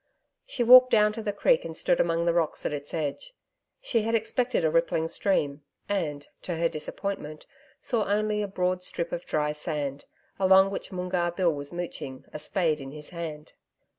She walked down to the creek and stood among the rocks at its edge. She had expected a rippling stream, and, to her disappointment, saw only a broad strip of dry sand, along which Moongarr Bill was mooching, a spade in his hand.